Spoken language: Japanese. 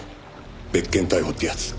「別件逮捕ってやつ」